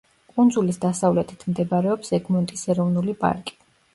კუნძულის დასავლეთით მდებარეობს ეგმონტის ეროვნული პარკი.